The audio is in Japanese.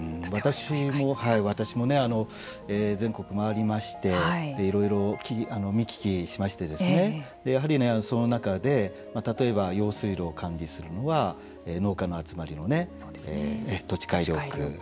私も全国回りましていろいろ見聞きしましてやはりその中で例えば用水路を管理するのは農家の集まりの土地改良区。